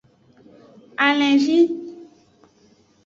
Alenvi.